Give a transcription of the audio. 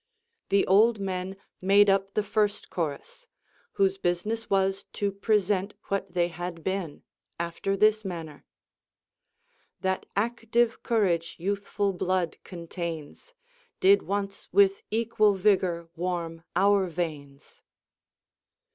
The old men made up the first chorus, whose business was to present what they had been after this manner :— Tliat active courage youthful blood contains Did once with equal vigor warm our veins.